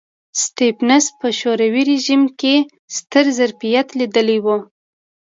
سټېفنس په شوروي رژیم کې ستر ظرفیت لیدلی و